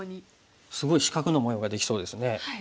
すごい四角の模様ができそうですね。